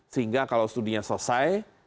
sehingga kalau studinya selesai